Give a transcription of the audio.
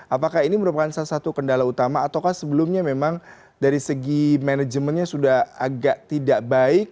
apakah ini merupakan salah satu kendala utama ataukah sebelumnya memang dari segi manajemennya sudah agak tidak baik